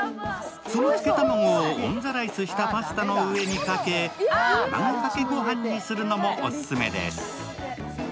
その漬け卵をオンザライスしたパスタの上にかけ卵かけご飯にするのもオススメです。